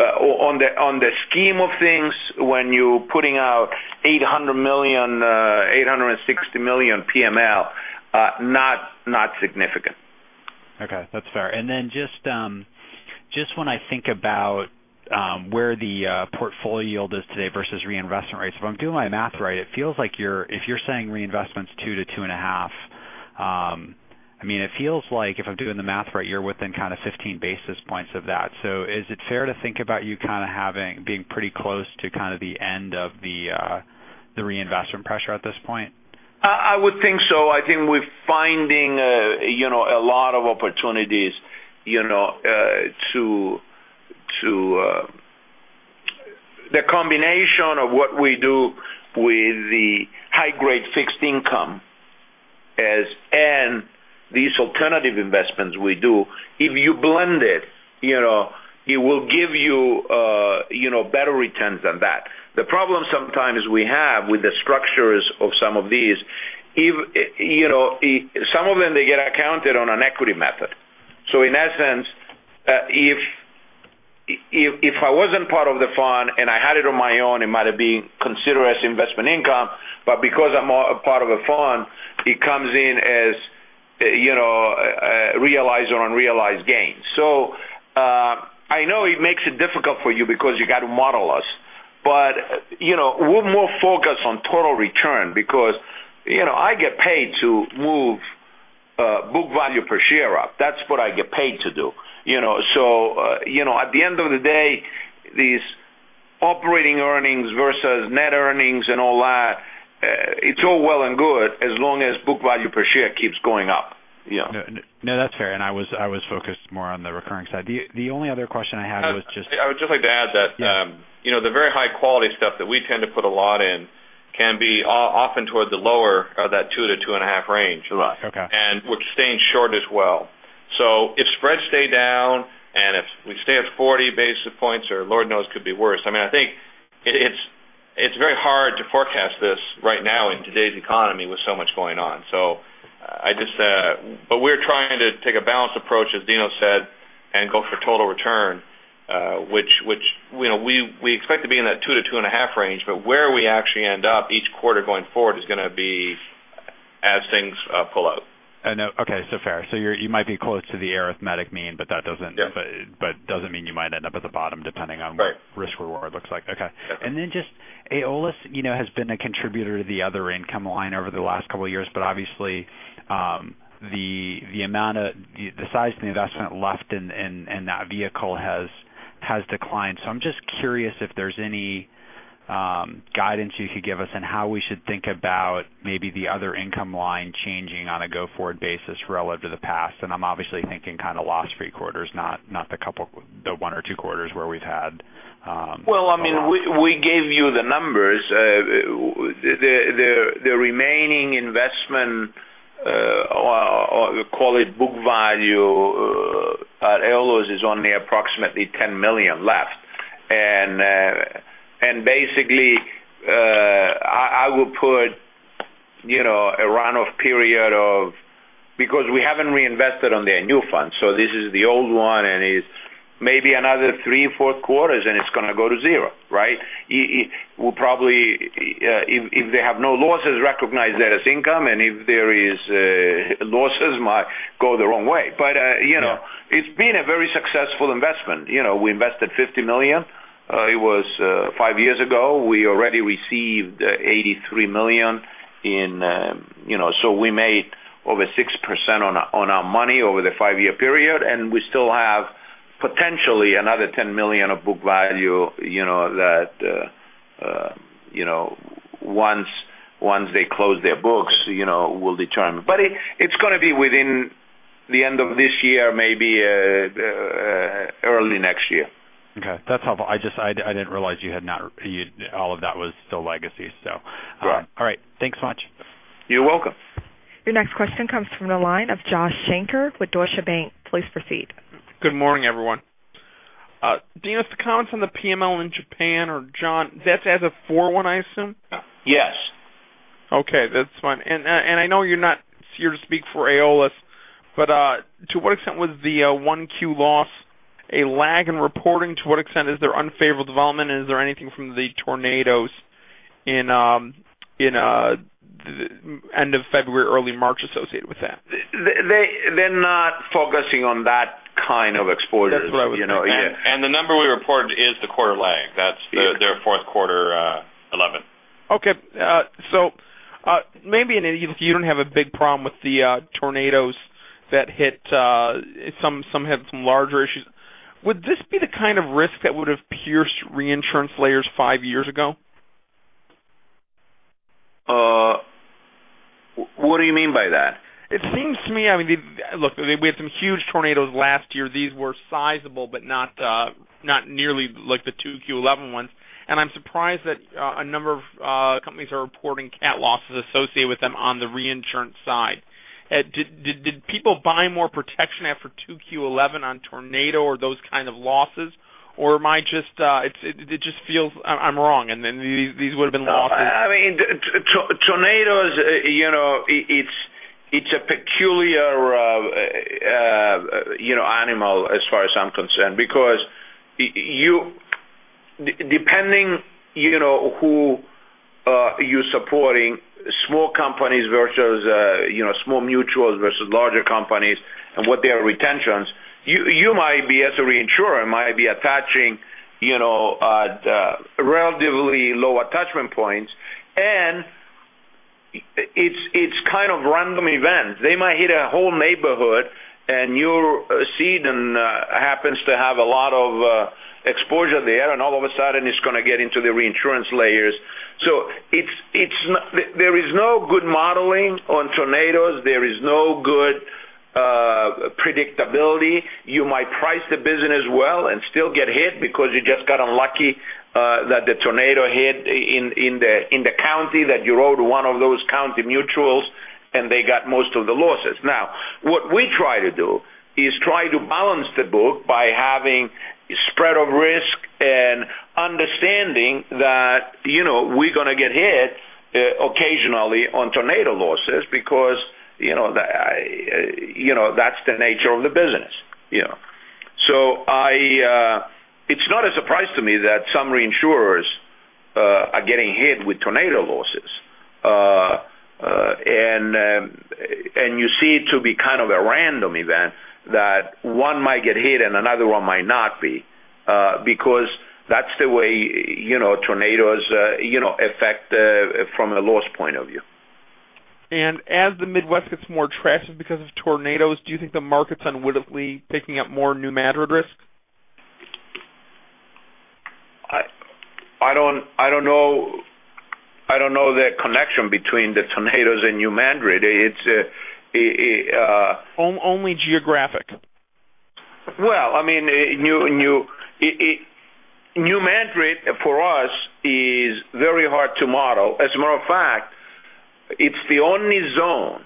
On the scheme of things, when you're putting out $800 million, $860 million PML, not significant. Okay. That's fair. Then just when I think about where the portfolio yield is today versus reinvestment rates, if I'm doing my math right, it feels like if you're saying reinvestment's 2%-2.5%, it feels like if I'm doing the math right, you're within kind of 15 basis points of that. Is it fair to think about you kind of being pretty close to kind of the end of the reinvestment pressure at this point? I would think so. I think we're finding a lot of opportunities to the combination of what we do with the high-grade fixed income and these alternative investments we do. If you blend it will give you better returns than that. The problem sometimes we have with the structures of some of these, some of them, they get accounted on an equity method. In that sense, if I wasn't part of the fund and I had it on my own, it might have been considered as investment income, but because I'm part of a fund, it comes in as realized or unrealized gain. It's difficult for you because you got to model us. We're more focused on total return because I get paid to move book value per share up. That's what I get paid to do. At the end of the day, these operating earnings versus net earnings and all that, it's all well and good as long as book value per share keeps going up. No, that's fair. I was focused more on the recurring side. The only other question I had was just. I would just like to add that. Yeah The very high-quality stuff that we tend to put a lot in can be often toward the lower of that two to two and a half range. Okay. We're staying short as well. If spreads stay down and if we stay at 40 basis points or lord knows could be worse. I think it's very hard to forecast this right now in today's economy with so much going on. We're trying to take a balanced approach, as Dinos said, and go for total return, which we expect to be in that two to two and a half range. Where we actually end up each quarter going forward is going to be as things pull out. I know. Okay. Fair. You might be close to the arithmetic mean, but that doesn't. Yeah Doesn't mean you might end up at the bottom depending on. Right What risk reward looks like. Okay. Okay. Just Aeolus has been a contributor to the other income line over the last couple of years, obviously, the size and the investment left in that vehicle has declined. I'm just curious if there's any guidance you could give us on how we should think about maybe the other income line changing on a go-forward basis relative to the past. I'm obviously thinking kind of the last three quarters, not the one or two quarters where we've had- Well, we gave you the numbers. The remaining investment, call it book value at Aeolus is only approximately $10 million left. Basically, I would put a run off period of because we haven't reinvested on their new funds. This is the old one, and it's maybe another three, four quarters, and it's going to go to zero, right? If they have no losses, recognize that as income, and if there is losses, might go the wrong way. But- Yeah It's been a very successful investment. We invested $50 million. It was five years ago. We already received $83 million in, we made over 6% on our money over the five-year period, and we still have potentially another $10 million of book value that once they close their books will determine. It's going to be within the end of this year, maybe early next year. Okay. That's helpful. I didn't realize all of that was still legacy, so. Right. All right. Thanks so much. You're welcome. Your next question comes from the line of Joshua Shanker with Deutsche Bank. Please proceed. Good morning, everyone. Dinos, if you could comment on the PML in Japan or John, that's as of 4/1, I assume? Yes. Okay, that's fine. I know you're not here to speak for Aeolus, but to what extent was the Q1 loss a lag in reporting? To what extent is there unfavorable development, and is there anything from the tornadoes in end of February, early March associated with that? They're not focusing on that kind of exposure. That's what I was thinking. Yeah. The number we reported is the quarter lag. That's their Q4 2011. Maybe, if you don't have a big problem with the tornadoes that hit, some have some larger issues. Would this be the kind of risk that would have pierced reinsurance layers five years ago? What do you mean by that? It seems to me, look, we had some huge tornadoes last year. These were sizable, but not nearly like the 2Q11 ones. I'm surprised that a number of companies are reporting CAT losses associated with them on the reinsurance side. Did people buy more protection after 2Q11 on tornado or those kind of losses? It just feels I'm wrong, these would have been losses. Tornadoes, it's a peculiar animal as far as I'm concerned because depending who you're supporting, small companies versus small mutuals versus larger companies and what their retention is, you might be as a reinsurer, might be attaching relatively low attachment points. It's kind of random events. They might hit a whole neighborhood and you see it and happens to have a lot of exposure there, and all of a sudden it's going to get into the reinsurance layers. There is no good modeling on tornadoes. There is no good predictability. You might price the business well and still get hit because you just got unlucky that the tornado hit in the county that you wrote one of those county mutuals, and they got most of the losses. What we try to do is try to balance the book by having spread of risk and understanding that we're going to get hit occasionally on tornado losses because that's the nature of the business. It's not a surprise to me that some reinsurers are getting hit with tornado losses. You see it to be kind of a random event that one might get hit and another one might not be, because that's the way tornadoes affect from a loss point of view. As the Midwest gets more trashed because of tornadoes, do you think the market's unwittingly picking up more New Madrid risk? I don't know the connection between the tornadoes and New Madrid. Only geographic. Well, New Madrid for us is very hard to model. As a matter of fact, it's the only zone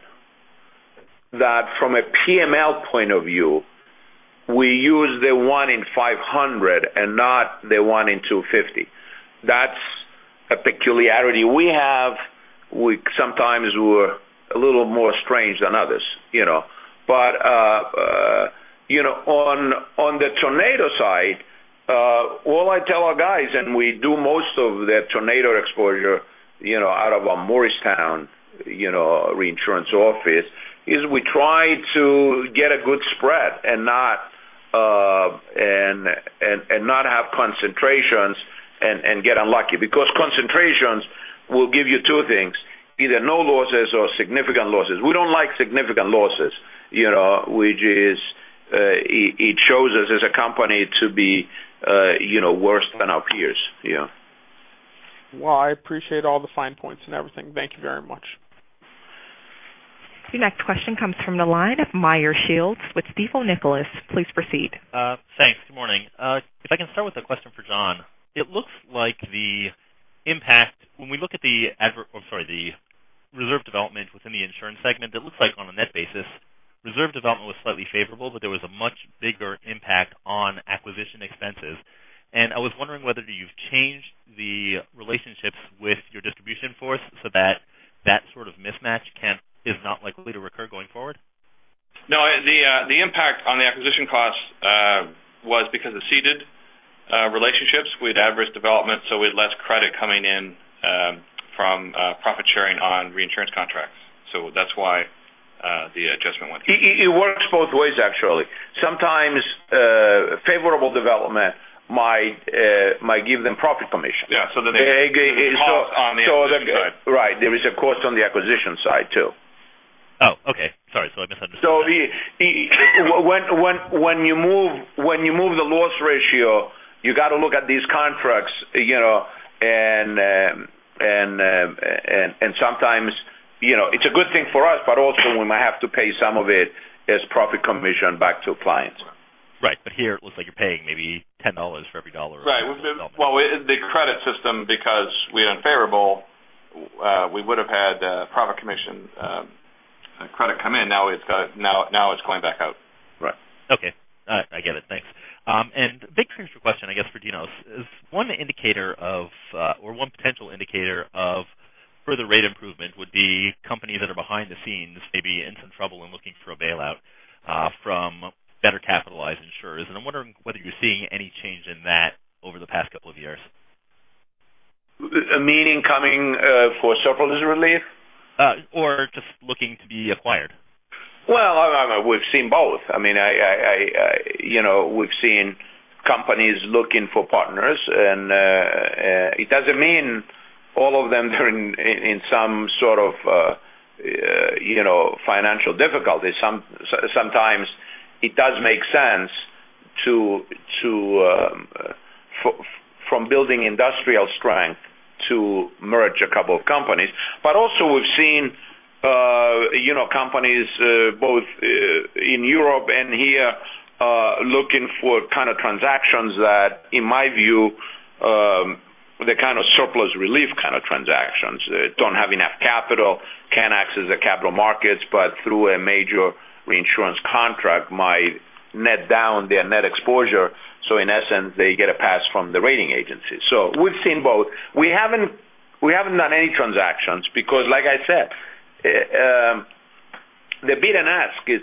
that from a PML point of view, we use the 1 in 500 and not the 1 in 250. That's a peculiarity we have. We sometimes we're a little more strange than others. On the tornado side, all I tell our guys, and we do most of the tornado exposure out of our Morristown reinsurance office, is we try to get a good spread and not have concentrations and get unlucky because concentrations will give you two things, either no losses or significant losses. We don't like significant losses. It shows us as a company to be worse than our peers. I appreciate all the fine points and everything. Thank you very much. Your next question comes from the line of Meyer Shields with Stifel Nicolaus. Please proceed. Thanks. Good morning. If I can start with a question for John. It looks like the impact when we look at the reserve development within the insurance segment, it looks like on a net basis, reserve development was slightly favorable, but there was a much bigger impact on acquisition expenses. I was wondering whether you've changed the relationships with your distribution force so that that sort of mismatch is not likely to recur going forward. The impact on the acquisition cost was because of ceded relationships with adverse development. We had less credit coming in from profit sharing on reinsurance contracts. That's why the adjustment went. It works both ways, actually. Sometimes favorable development might give them profit commission. Yeah. There's a cost on the acquisition side. Right. There is a cost on the acquisition side, too. Oh, okay. Sorry. I misunderstood. When you move the loss ratio, you got to look at these contracts, and sometimes it's a good thing for us, but also we might have to pay some of it as profit commission back to clients. Right. Here it looks like you're paying maybe $10 for every dollar. Right. Well, the credit system, because we're unfavorable we would have had profit commission credit come in. Now it's going back out. Right. Okay. All right, I get it. Thanks. Big picture question, I guess, for Dino. One indicator of or one potential indicator of further rate improvement would be companies that are behind the scenes, maybe in some trouble and looking for a bailout from better capitalized insurers. I'm wondering whether you're seeing any change in that over the past couple of years. Meaning coming for surplus relief? Just looking to be acquired. Well, we've seen both. We've seen companies looking for partners, and it doesn't mean all of them they're in some sort of financial difficulty. Sometimes it does make sense from building industrial strength to merge a couple of companies. Also, we've seen companies both in Europe and here looking for kind of transactions that in my view, the kind of surplus relief kind of transactions. They don't have enough capital, can't access the capital markets, but through a major reinsurance contract might net down their net exposure. In essence, they get a pass from the rating agency. We've seen both. We haven't done any transactions because like I said the bid and ask is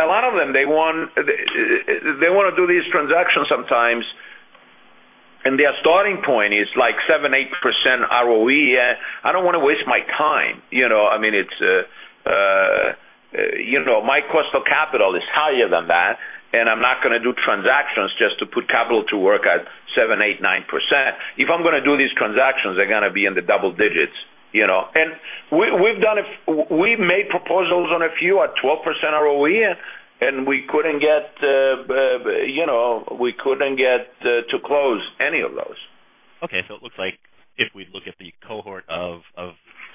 a lot of them they want to do these transactions sometimes, and their starting point is like 7%, 8% ROE. I don't want to waste my time. My cost of capital is higher than that. I'm not going to do transactions just to put capital to work at 7%, 8%, 9%. If I'm going to do these transactions, they're going to be in the double digits. We've made proposals on a few at 12% ROE, and we couldn't get to close any of those. Okay. It looks like if we look at the cohort of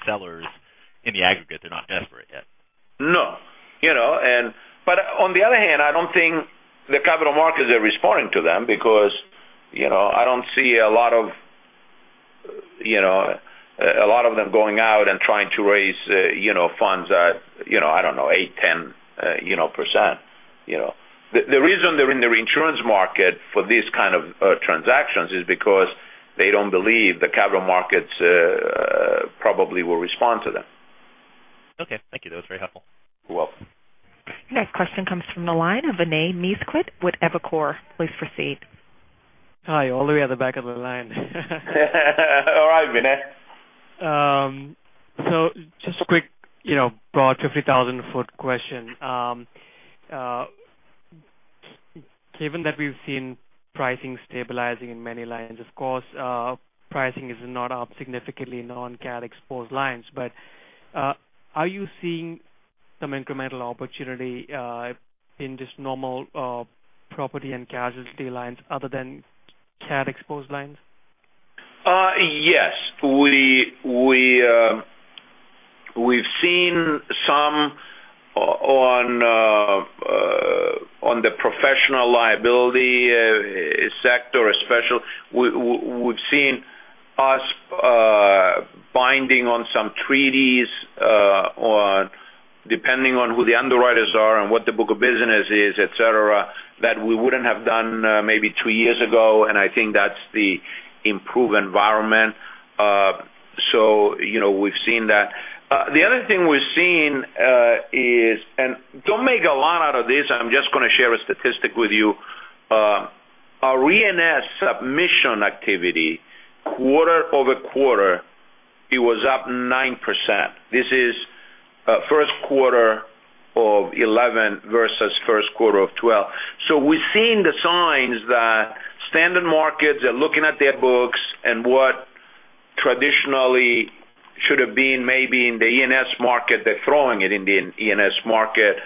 sellers in the aggregate, they're not desperate yet. No. On the other hand, I don't think the capital markets are responding to them because I don't see a lot of them going out and trying to raise funds at I don't know, 8%, 10%. The reason they're in the reinsurance market for these kind of transactions is because they don't believe the capital markets probably will respond to them. Okay. Thank you. That was very helpful. You're welcome. Your next question comes from the line of Vinay Misquith with Evercore. Please proceed. Hi, all the way at the back of the line. All right, Vinay. Just a quick broad 50,000-foot question. Given that we've seen pricing stabilizing in many lines, of course, pricing is not up significantly in non-CAT exposed lines. Are you seeing some incremental opportunity in just normal property and casualty lines other than CAT exposed lines? Yes. We've seen some on the professional liability sector, especially. We've seen us binding on some treaties, depending on who the underwriters are and what the book of business is, et cetera, that we wouldn't have done maybe two years ago, and I think that's the improved environment. We've seen that. The other thing we're seeing is, and don't make a lot out of this, I'm just going to share a statistic with you. Our E&S submission activity, quarter-over-quarter, it was up 9%. This is first quarter of 2011 versus first quarter of 2012. We've seen the signs that standard markets are looking at their books and what traditionally should've been maybe in the E&S market, they're throwing it in the E&S market,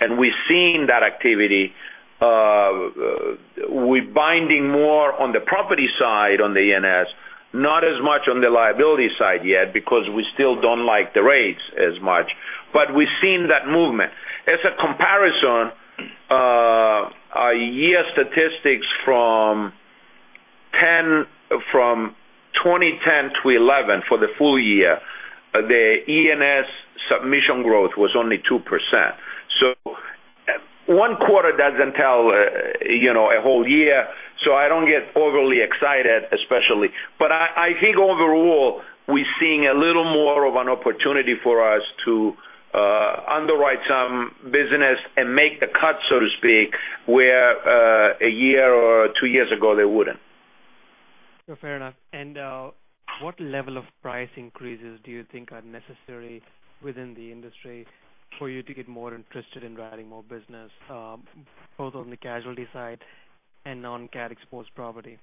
and we're seeing that activity. We're binding more on the property side on the E&S, not as much on the liability side yet because we still don't like the rates as much. We've seen that movement. As a comparison, our year statistics from 2010 to 2011 for the full year, the E&S submission growth was only 2%. One quarter doesn't tell a whole year, so I don't get overly excited, especially. I think overall, we're seeing a little more of an opportunity for us to underwrite some business and make the cut, so to speak, where a year or two years ago they wouldn't. No, fair enough. What level of price increases do you think are necessary within the industry for you to get more interested in writing more business, both on the casualty side and non-CAT exposed property?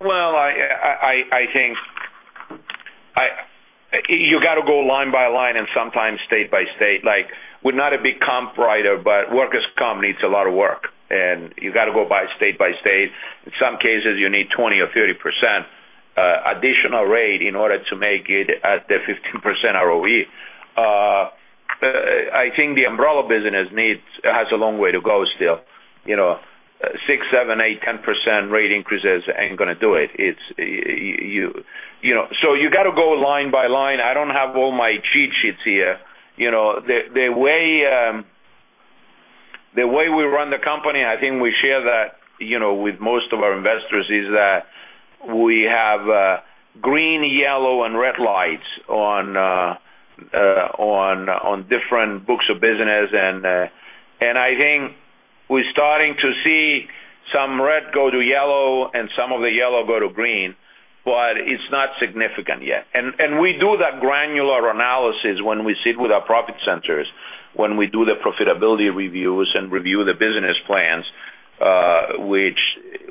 I think you got to go line by line and sometimes state by state. We're not a big comp writer, but workers' comp needs a lot of work. You got to go by state by state. In some cases, you need 20% or 30% additional rate in order to make it at the 15% ROE. I think the umbrella business has a long way to go still. six, seven, eight, 10% rate increases ain't going to do it. You got to go line by line. I don't have all my cheat sheets here. The way we run the company, I think we share that with most of our investors, is that we have green, yellow and red lights on different books of business. I think we're starting to see some red go to yellow and some of the yellow go to green, but it's not significant yet. We do that granular analysis when we sit with our profit centers, when we do the profitability reviews and review the business plans, which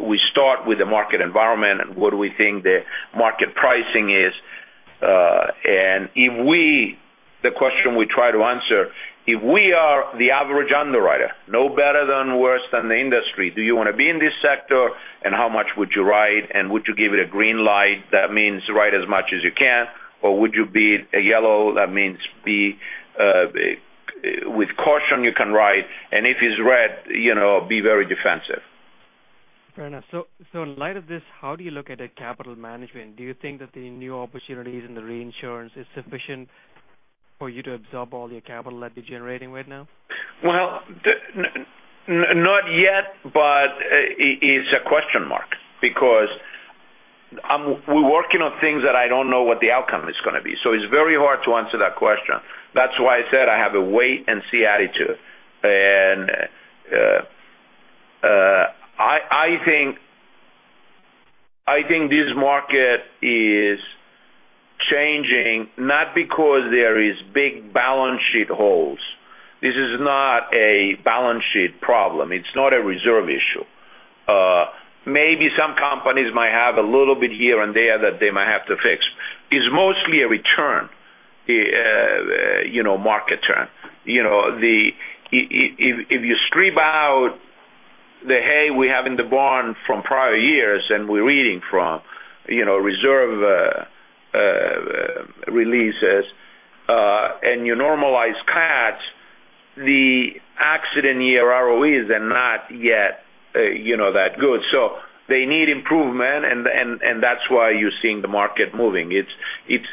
we start with the market environment and what we think the market pricing is. The question we try to answer, if we are the average underwriter, no better than, worse than the industry, do you want to be in this sector and how much would you write and would you give it a green light? That means write as much as you can. Or would you be a yellow? That means with caution you can write. If it's red, be very defensive. Fair enough. In light of this, how do you look at the capital management? Do you think that the new opportunities in the reinsurance is sufficient for you to absorb all your capital that you're generating right now? Not yet, but it's a question mark because we're working on things that I don't know what the outcome is going to be. It's very hard to answer that question. That's why I said I have a wait and see attitude. I think this market is changing, not because there is big balance sheet holes. This is not a balance sheet problem. It's not a reserve issue. Maybe some companies might have a little bit here and there that they might have to fix. It's mostly a return, market return. If you strip out the hay we have in the barn from prior years and we're eating from reserve releases, and you normalize CATs, the accident year ROEs are not yet that good. They need improvement and that's why you're seeing the market moving. It's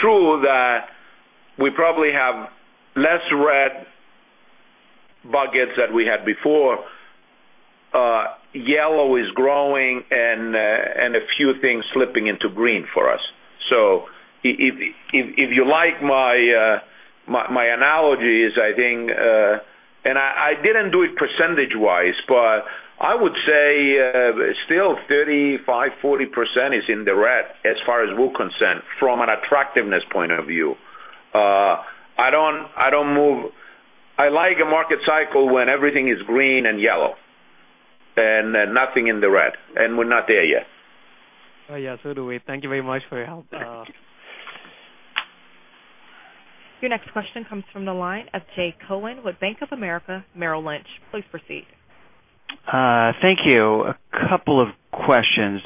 true that we probably have less red buckets than we had before. Yellow is growing and a few things slipping into green for us. If you like my analogies, I think, and I didn't do it percentage-wise, but I would say still 35%-40% is in the red as far as rule consent from an attractiveness point of view. I like a market cycle when everything is green and yellow and nothing in the red, and we're not there yet. Yeah. So do we. Thank you very much for your help. Your next question comes from the line of Jay Cohen with Bank of America Merrill Lynch. Please proceed. Thank you. A couple of questions.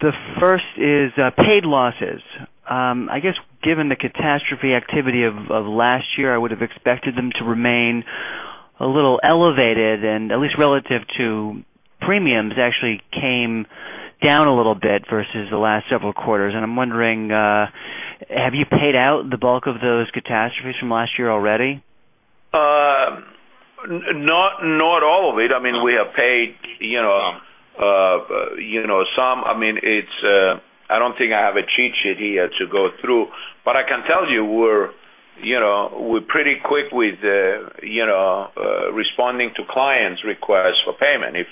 The first is paid losses. I guess given the catastrophe activity of last year, I would have expected them to remain a little elevated, and at least relative to premiums, actually came down a little bit versus the last several quarters. I'm wondering, have you paid out the bulk of those catastrophes from last year already? Not all of it. We have paid some. I don't think I have a cheat sheet here to go through, but I can tell you we're pretty quick with responding to clients' requests for payment. If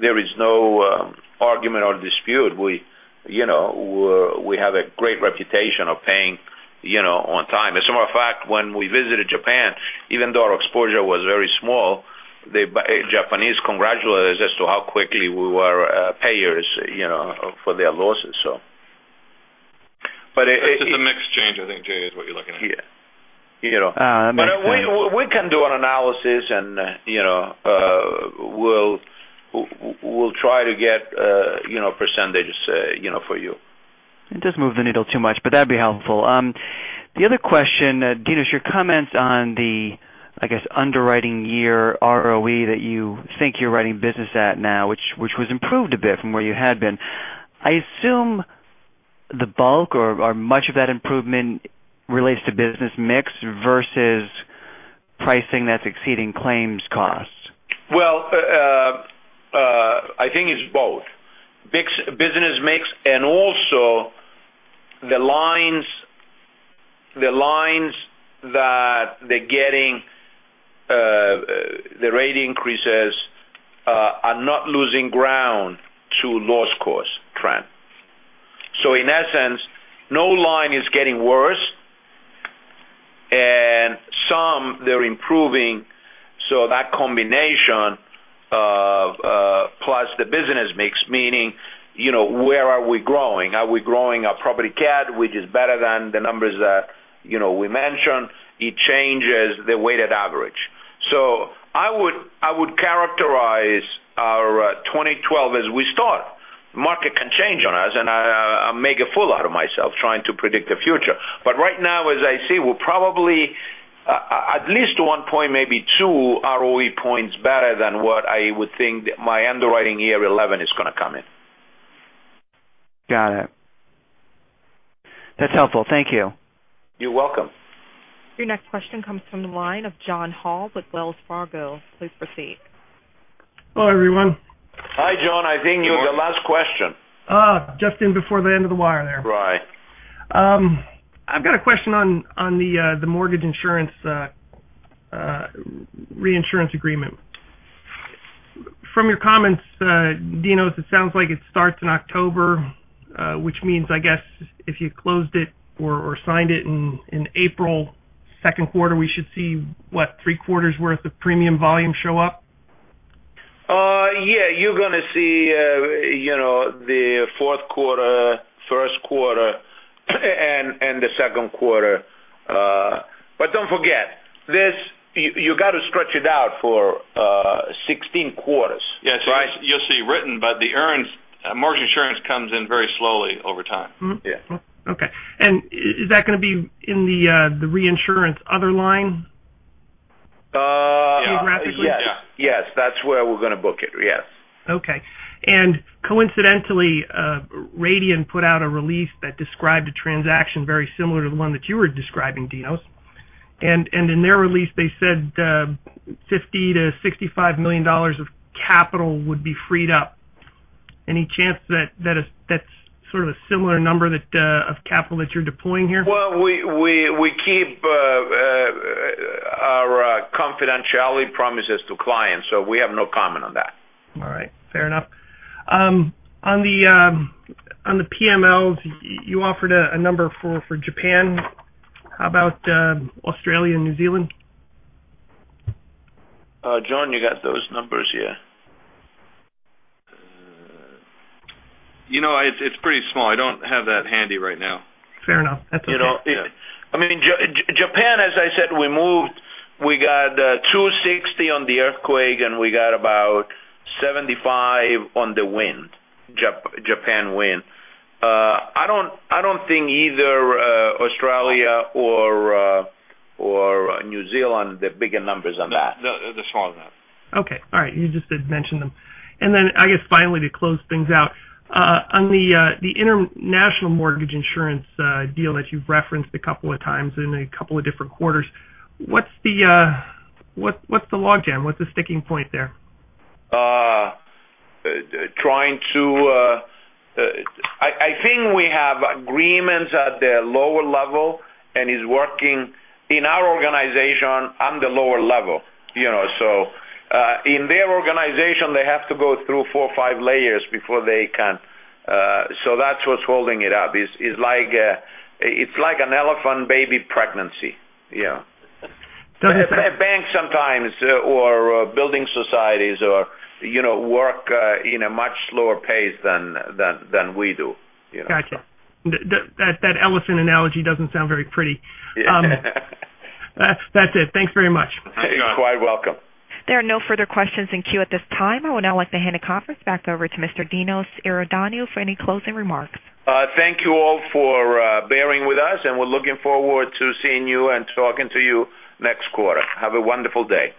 there is no argument or dispute, we have a great reputation of paying on time. As a matter of fact, when we visited Japan, even though our exposure was very small, the Japanese congratulated us as to how quickly we were payers for their losses. It's a mix change, I think, Jay, is what you're looking at. Yeah. That makes sense. We can do an analysis, and we'll try to get percentages for you. It doesn't move the needle too much, but that'd be helpful. The other question, Dinos, your comments on the, I guess, underwriting year ROE that you think you're writing business at now, which was improved a bit from where you had been. I assume the bulk or much of that improvement relates to business mix versus pricing that's exceeding claims costs. Well, I think it's both. Business mix and also the lines that they're getting the rate increases are not losing ground to loss cost trend. In that sense, no line is getting worse, and some they're improving. That combination of plus the business mix, meaning where are we growing? Are we growing our property CAT, which is better than the numbers that we mentioned? It changes the weighted average. I would characterize our 2012 as we start. Market can change on us, and I make a fool out of myself trying to predict the future. Right now, as I see, we're probably at least one point, maybe two ROE points better than what I would think my underwriting year 11 is going to come in. Got it. That's helpful. Thank you. You're welcome. Your next question comes from the line of John Hall with Wells Fargo. Please proceed. Hello, everyone. Hi, John. I think you're the last question. Just in before the end of the wire there. Right. I've got a question on the mortgage insurance reinsurance agreement. From your comments, Dinos, it sounds like it starts in October, which means, I guess, if you closed it or signed it in April second quarter, we should see, what, three quarters worth of premium volume show up? Yeah. You're going to see the fourth quarter, first quarter, and the second quarter. Don't forget, you got to stretch it out for 16 quarters. Yes. You'll see written, the mortgage insurance comes in very slowly over time. Yeah. Okay. Is that going to be in the reinsurance other line? Geographically. Yes. That's where we're going to book it. Yes. Okay. Coincidentally, Radian put out a release that described a transaction very similar to the one that you were describing, Dinos. In their release, they said $50 million-$65 million of capital would be freed up. Any chance that's sort of a similar number of capital that you're deploying here? Well, we keep our confidentiality promises to clients. We have no comment on that. All right. Fair enough. On the PMLs, you offered a number for Japan. How about Australia and New Zealand? John, you got those numbers here? It's pretty small. I don't have that handy right now. Fair enough. That's okay. Japan, as I said, we moved, we got $260 on the earthquake, and we got about $75 on the wind, Japan wind. I don't think either Australia or New Zealand, the bigger numbers on that. They're smaller. Okay. All right. You just did mention them. I guess finally to close things out, on the international mortgage insurance deal that you've referenced a couple of times in a couple of different quarters, what's the log jam? What's the sticking point there? I think we have agreements at the lower level and is working in our organization on the lower level. In their organization, they have to go through four or five layers before they can. That's what's holding it up. It's like an elephant baby pregnancy. Yeah. Banks sometimes or building societies work in a much slower pace than we do. Got you. That elephant analogy doesn't sound very pretty. That's it. Thanks very much. You're quite welcome. There are no further questions in queue at this time. I would now like to hand the conference back over to Mr. Dinos Iordanou for any closing remarks. Thank you all for bearing with us, and we're looking forward to seeing you and talking to you next quarter. Have a wonderful day.